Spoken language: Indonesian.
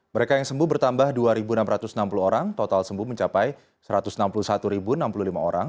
mereka yang sembuh bertambah dua enam ratus enam puluh orang total sembuh mencapai satu ratus enam puluh satu enam puluh lima orang